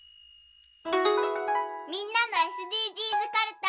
みんなのＳＤＧｓかるた。